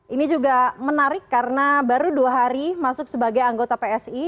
ini juga menarik karena baru dua hari masuk sebagai anggota psi